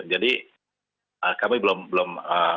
jadi kami belum belum